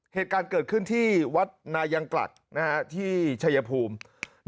เหตุการณ์เกิดขึ้นที่วัดนายังกลัดที่ชัยภูมิ